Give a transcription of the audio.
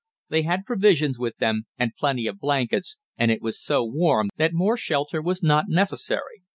They had provisions with them, and plenty of blankets and it was so warm that more shelter was not necessary.